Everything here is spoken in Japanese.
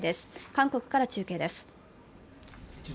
韓国から中継です。